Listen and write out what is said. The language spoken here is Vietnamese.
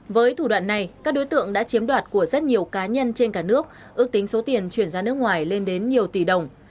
với thủ đoạn này các đối tượng đã chiếm đoạt của rất nhiều cá nhân trên cả nước ước tính số tiền chuyển ra nước ngoài lên đến nhiều tỷ đồng